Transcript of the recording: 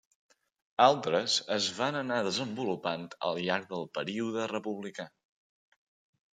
Altres es van anar desenvolupant al llarg del període republicà.